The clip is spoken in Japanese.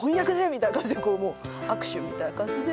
みたいな感じで握手みたいな感じで。